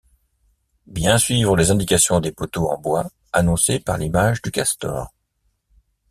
Bien suivre les indications des poteaux en bois annoncés par l'image du castor.